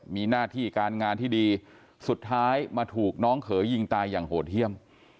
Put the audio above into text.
มีหน้าที่การงานที่ดีสุดท้ายมาถูกน้องเขยยิงตายอย่างโหดเยี่ยม